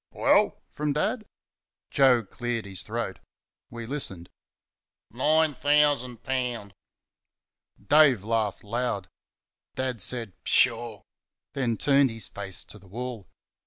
"Well?" from Dad. Joe cleared his throat. We listened. "Nine thousan' poun'." Dave laughed loud. Dad said, "Pshaw!" and turned his face to the wall.